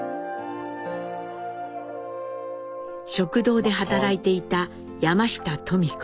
食堂で働いていた山下登美子。